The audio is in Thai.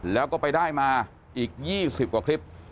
แล้วก็ไปได้มาอีก๒๐กว่าคลิป